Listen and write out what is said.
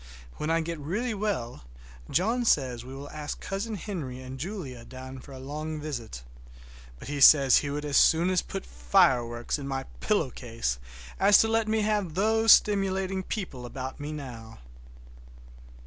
When I get really well John says we will ask Cousin Henry and Julia down for a long visit; but he says he would as soon put fire works in my pillow case as to let me have those stimulating people about now.